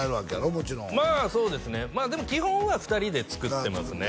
もちろんまあそうですねでも基本は２人で作ってますね